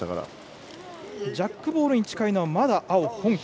ジャックボールに近いのはまだ青の香港。